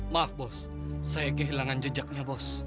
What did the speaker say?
maaf bos saya kehilangan jejaknya bos